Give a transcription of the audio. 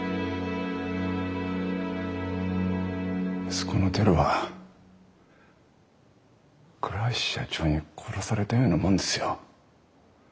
息子の輝は倉橋社長に殺されたようなもんですよ。